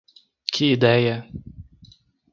Que ideia!